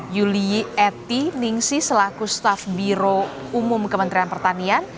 yuli eti ningsi selaku staf biro umum kementerian pertanian